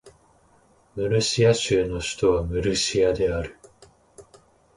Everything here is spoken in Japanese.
ムルシア州の州都はムルシアである